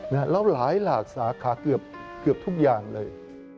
แล้วหลายหลากสาขาเกือบทุกอย่างเลย